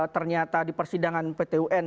ternyata di persidangan pt un